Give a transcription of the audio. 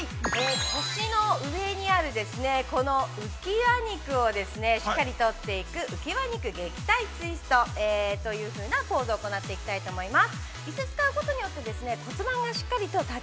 腰の上にある、浮き輪肉をしっかりとっていく、浮き輪肉撃退ポーズを行っていきたいと思います。